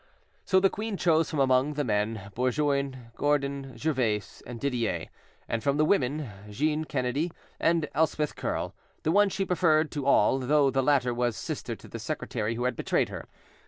So the queen chose from among the men Bourgoin, Gordon, Gervais, and Didier; and from the women Jeanne Kennedy and Elspeth Curle, the ones she preferred to all, though the latter was sister to the secretary who had betrayed her.